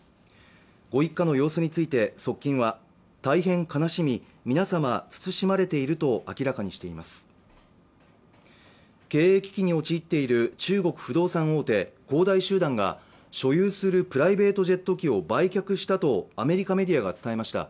ご一家の様子について側近は大変悲しみ皆様慎まれていると明らかにしています経営危機に陥っている中国不動産大手恒大集団が所有するプライベートジェット機を売却したとアメリカメディアが伝えました